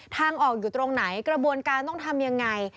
ทางออกอยู่ตรงไหนกระบวนการต้องทำยังไง